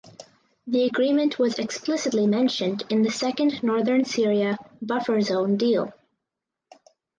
The agreement was explicitly mentioned in the Second Northern Syria Buffer Zone deal.